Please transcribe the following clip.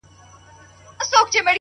د زړې ونې سیوری تل یو ډول ارامي ورکوي